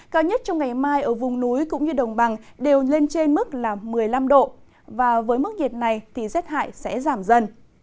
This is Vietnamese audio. cao nhất trong ngày mai ở vùng núi cũng như đồng bằng đều lên trên mức là một mươi năm độ và với mức nhiệt này thì rét hại sẽ giảm dần